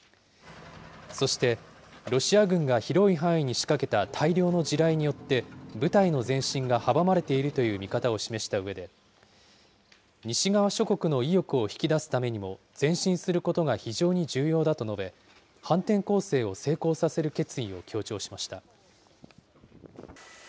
そして、ロシア軍が広い範囲に仕掛けた大量の地雷によって、部隊の前進が阻まれているという見方を示したうえで、西側諸国の意欲を引き出すためにも、前進することが非常に重要だと述べ、反転攻勢を成功させる決意を強調しました。